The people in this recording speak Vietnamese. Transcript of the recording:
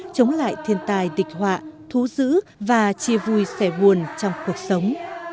chống lại thiên tài địch họa thú giữ và chia vui sẻ buồn trong cuộc sống